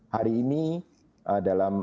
hari ini dalam